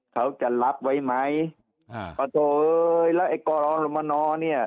เขาจะรับไว้ไหมอ่าประโดยแล้วไอ้กรรมนรเนี้ย